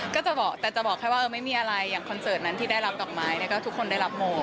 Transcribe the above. ก็จะบอกแต่จะบอกแค่ว่าไม่มีอะไรอย่างคอนเสิร์ตนั้นที่ได้รับดอกไม้เนี่ยก็ทุกคนได้รับโม